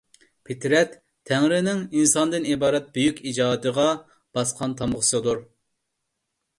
پىترەت تەڭرىنىڭ ئىنساندىن ئىبارەت بۈيۈك ئىجادىغا باسقان تامغىسىدۇر.